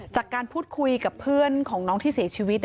จากการพูดคุยกับเพื่อนของน้องที่เสียชีวิต